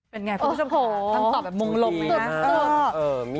เป็นไงคุณผู้ชมพูด